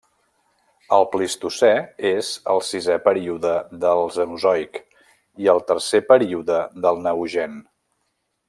El Plistocè és el sisè període del Cenozoic i el tercer període del Neogen.